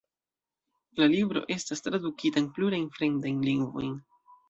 La libro estas tradukita en plurajn fremdajn lingvojn.